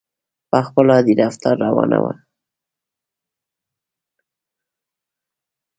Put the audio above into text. په خپل عادي رفتار روانه وه.